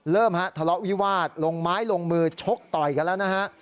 ฮะทะเลาะวิวาสลงไม้ลงมือชกต่อยกันแล้วนะฮะ